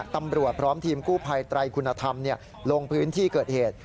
ตำรวจพร้อมทีมกู้ภัยไตรคุณธรรมลงพื้นที่เกิดเหตุ